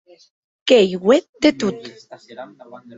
Qu’ei uet de tot.